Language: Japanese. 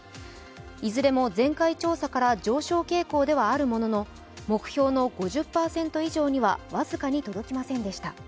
いずれも前回調査から上昇傾向ではあるものの、目標の５０％以上には僅かに届きませんでした。